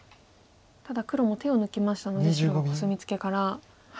ただ黒も手を抜きましたので白はコスミツケから。